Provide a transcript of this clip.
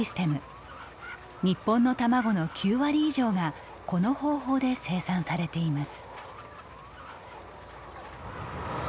日本の卵の９割以上がこの方法で生産されています。